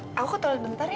ehm aku kok toilet bentar ya